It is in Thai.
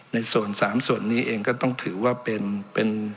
ในส่วน๓ส่วนนี้เองก็ต้องถือว่าเป็น